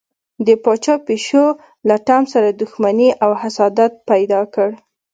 د پاچا پیشو له ټام سره دښمني او حسادت پیدا کړ.